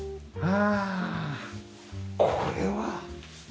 あこれは。